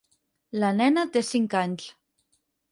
La nena té cinc anys.